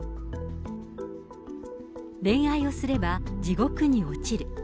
恋愛をすれば地獄に落ちる。